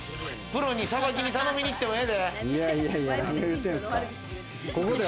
プロにさばきに頼みに行ってもええで。